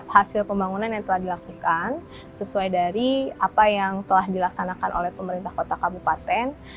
hasil pembangunan yang telah dilakukan sesuai dari apa yang telah dilaksanakan oleh pemerintah kota kabupaten